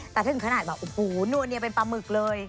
แต่ถึงขนาดแบบโอ้โหนัวเนียเป็นปลาหมึกเลย